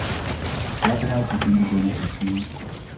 Daar draait het in de democratie om.